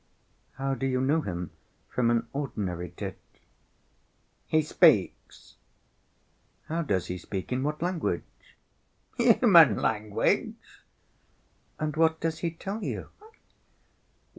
"How do you know him from an ordinary tit?" "He speaks." "How does he speak, in what language?" "Human language." "And what does he tell you?"